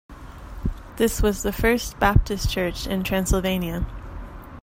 This was the first Baptist church in Transylvania.